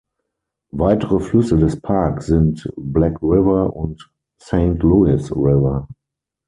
Weitere Flüsse des Parks sind Black River und Saint-Louis River.